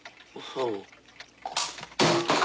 そう。